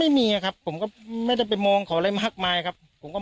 ไหมก็ไม่มีครับผมก็ไม่ได้ไปมองขออะไรมาครับผมก็